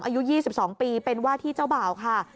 อายุ๒๒ปีเป็นว่าที่เจ้าบ่าวค่ะ